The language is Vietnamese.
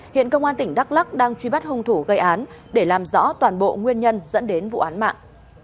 hiện công an tỉnh đắk lắc đang truy bắt hung thủ gây án để làm rõ toàn bộ nguyên nhân dẫn đến vụ án mạng